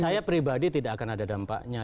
saya pribadi tidak akan ada dampaknya